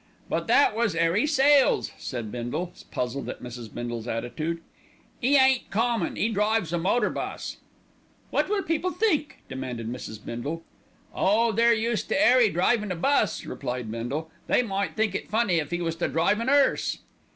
"But that was 'Arry Sales," said Bindle, puzzled at Mrs. Bindle's attitude. "'E ain't common, 'e drives a motor bus." "What will people think?" demanded Mrs. Bindle. "Oh! they're used to 'Arry drivin' a bus," replied Bindle. "They might think it funny if he was to drive an 'earse."